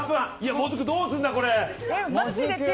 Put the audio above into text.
もずく、どうすんだこれ。